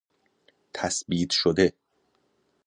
تثبیت شده